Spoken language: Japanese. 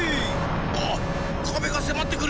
あっかべがせまってくる！